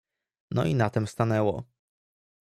"No i na tem stanęło."